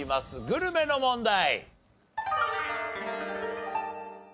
グルメの問題。